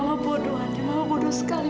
mama bodoh mama bodoh mama bodoh sekali